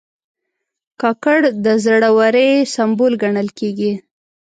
کاکړ د زړه ورۍ سمبول ګڼل کېږي.